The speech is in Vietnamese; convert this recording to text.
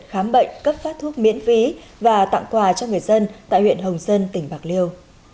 khám bệnh cấp phát thuốc miễn phí và tặng quà cho người dân tại huyện hồng dân tỉnh bạc liêu